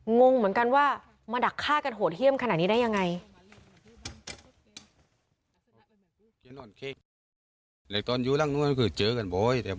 งงเหมือนกันว่ามาดักฆ่ากันโหดเยี่ยมขนาดนี้ได้ยังไง